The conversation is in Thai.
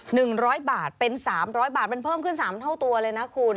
หนึ่งร้อยบาทเป็นสามร้อยบาทมันเพิ่มขึ้นสามเท่าตัวเลยนะคุณ